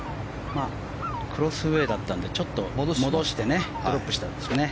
クロスウェーだったのでちょっと戻してねドロップしたんですね。